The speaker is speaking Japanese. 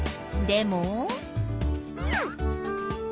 でも？